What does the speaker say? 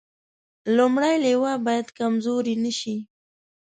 لومړنۍ لواء باید کمزورې نه شي.